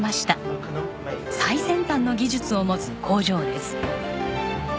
最先端の技術を持つ工場です。